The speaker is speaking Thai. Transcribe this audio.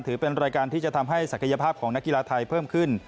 ถือเป็นรายการที่จะทำให้ศักยภาพของนักกีฬาไทยเพิ่มขึ้น